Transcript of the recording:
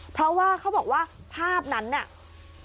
เพราะว่าเขาบอกว่าภาพนั้นเนี่ย